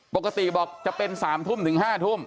ปกติบอกจะเป็น๓ทุ่มถึง๕ทุ่ม